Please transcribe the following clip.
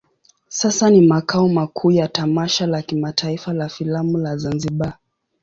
Sasa ni makao makuu ya tamasha la kimataifa la filamu la Zanzibar.